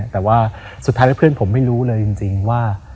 แต่ว่าสุดท้ายแล้วเพื่อนผมไม่รู้เลยจริงว่า